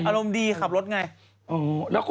อารมณ์ดีใช่ไหมนาย